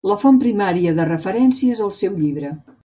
La font primària de referència és el seu llibre.